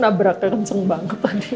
nabraknya kenceng banget tadi